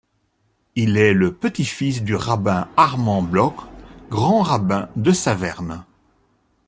Il est le petit-fils du rabbin Armand Bloch, Grand-rabbin de Saverne.